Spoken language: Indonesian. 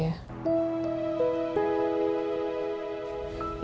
lama juga ya